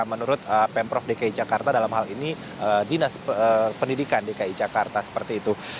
menurut pemprov dki jakarta dalam hal ini dinas pendidikan dki jakarta seperti itu